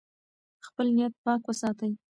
خپل نیت پاک وساتئ.